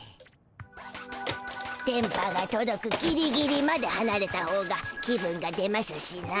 電波がとどくギリギリまではなれたほうが気分が出ましゅしな。